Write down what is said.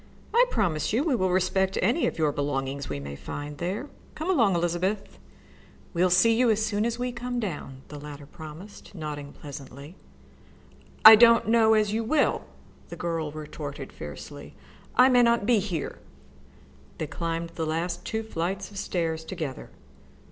I promise you we will respect any of your belongings we may find there. Come along, Elizabeth." "We'll see you as we come down," the latter promised, nodding pleasantly, "I don't know as you will," the girl retorted fiercely. "I may not be here." They climbed the last two flights of stairs together.